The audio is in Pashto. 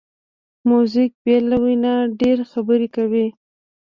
موزیک بې له وینا ډېری خبرې کوي.